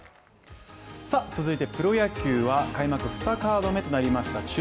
続いてプロ野球は開幕２カード目となりました。